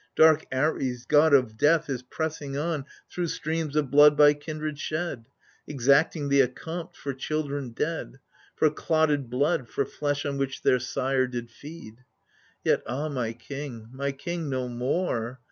Dark Ares, god of death, is pressing on Thro' streams of blood by kindred shed, Exacting the accompt for children dead, For clotted blood, for flesh on which their sire did feed. Yet ah my king, my king no more